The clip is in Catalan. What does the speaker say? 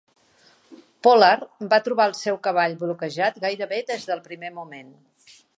Pollard va trobar el seu cavall bloquejat gairebé des del primer moment.